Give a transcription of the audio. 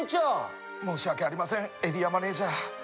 申し訳ありませんエリアマネージャー。